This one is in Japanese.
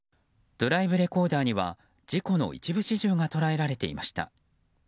ドライブレコーダーには事故の一部始終が捉えられていました。